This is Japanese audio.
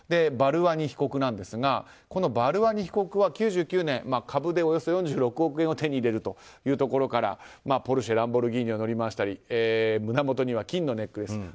バルワニ被告なんですがこのバルワニ被告は９９年、株でおよそ４６億円を手に入れるというところからポルシェ、ランボルギーニを乗り回したり胸元には金のネックレス。